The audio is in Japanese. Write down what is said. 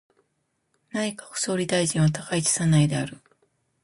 内閣総理大臣は高市早苗である。